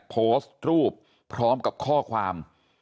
โพสต์รูปพร้อมกับข้อความ